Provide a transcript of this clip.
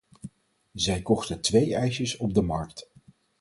Zij kochten twee ijsjes op de markt.